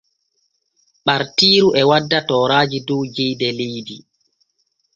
Ɓartiiru e wadda tooraaji dow jeyde leydi.